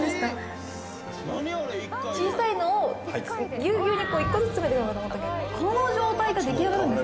小さいのをギュウギュウに１個ずつ詰めていくのかと思ったけどこの状態が出来上がるんですね。